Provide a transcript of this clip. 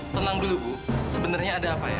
tenang dulu bu sebenarnya ada apa ya